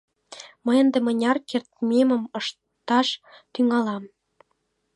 Мый ынде мыняр кертмемым ышташ тӱҥалам.